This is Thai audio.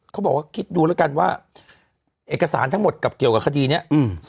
เขาบอกว่าคิดดูแล้วกันว่าเอกสารทั้งหมดกับเกี่ยวกับคดีเนี้ยอืม